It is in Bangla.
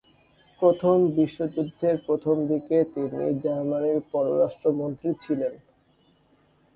প্রথম বিশ্বযুদ্ধের প্রথমদিকে তিনি জার্মানির পররাষ্ট্রমন্ত্রী ছিলেন।